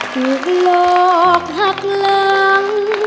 ถูกหลอกหักหลัง